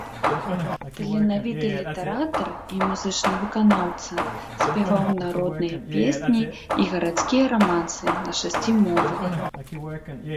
Таленавіты літаратар і музычны выканаўца, спяваў народныя песні і гарадскія рамансы на шасці мовах.